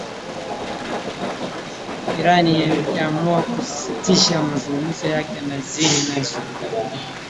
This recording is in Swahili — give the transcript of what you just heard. Iran yaamua kusitisha mazungumzo yake ya siri na Saudi Arabia